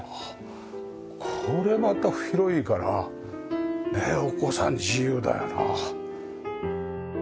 これまた広いからお子さん自由だよな。